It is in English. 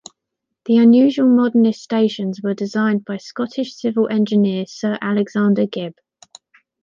The unusual modernist stations were designed by Scottish civil engineer, Sir Alexander Gibb.